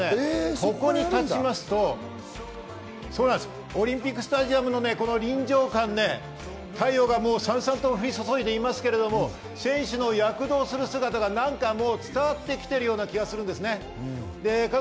ここに立ちますとオリンピックスタジアムの臨場感、太陽がサンサンと降り注いでいますけれど、選手の躍動する姿がなんかもう、伝わってきているような気がするんです。